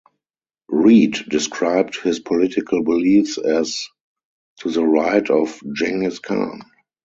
Read described his political beliefs as "to the right of Genghis Khan".